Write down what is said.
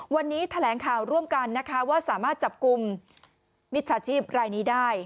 วันนี้แถลงข่าวร่วมกันนะคะว่าสามารถจับกลุ่มมิจฉาชีพรายนี้ได้